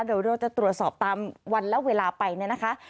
เดี๋ยวเราจะตรวจสอบตามวันและเวลาไปเนี่ยนะคะ